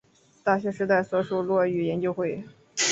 大学时代所属落语研究会。